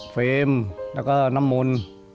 ฟรีมและก็น้ำมูล